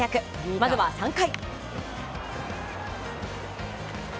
まずは３回。